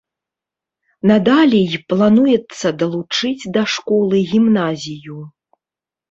Надалей плануецца далучыць да школы гімназію.